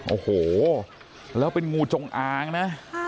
โอ้โหแล้วเป็นงูจงอางนะ